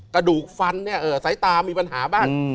กระดูกฟันเนี่ยสายตามีปัญหาบ้าง